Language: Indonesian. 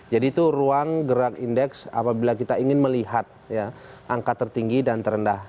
jadi itu ruang gerak indeks apabila kita ingin melihat angka tertinggi dan terendah